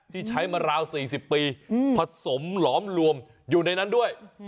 ที่ใช้มาราว๔๐ปีผสมหลอมรวมอยู่ในนั้นด้วย